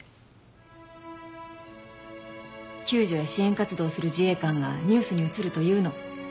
救助や支援活動する自衛官がニュースに映ると言うの。